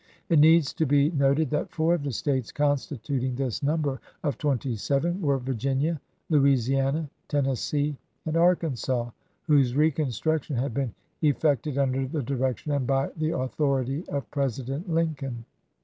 It needs to be noted that four of the States constituting this num ber of twenty seven were Virginia, Louisiana, Ten nessee, and Arkansas, whose reconstruction had been effected under the direction and by the authority of President Lincoln.